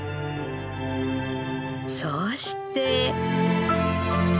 そうして。